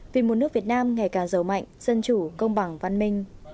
vì một nước việt nam ngày càng giàu mạnh dân chủ công bằng văn minh